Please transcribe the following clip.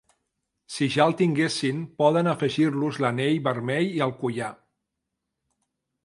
Si ja el tinguessin, poden afegir-los l'anell vermell i el collar.